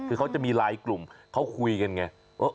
คือเขาจะมีไลน์กลุ่มเขาคุยกันไง